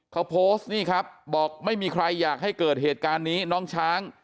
เขาโพสต์นี่ครับบอกไม่มีใครอยากให้เกิดเหตุการณ์นี้น้องช้าง